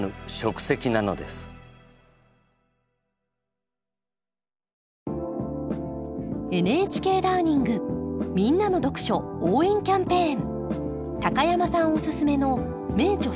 不思議なのが「ＮＨＫラーニングみんなの読書応援キャンペーン」。